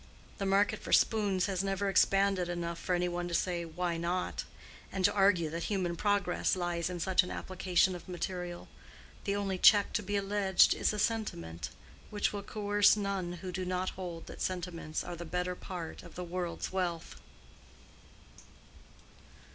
The market for spoons has never expanded enough for any one to say, "Why not?" and to argue that human progress lies in such an application of material. The only check to be alleged is a sentiment, which will coerce none who do not hold that sentiments are the better part of the world's wealth.